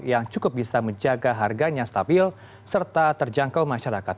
yang cukup bisa menjaga harganya stabil serta terjangkau masyarakat